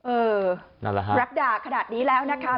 เออรักด่าขนาดนี้แล้วนะคะ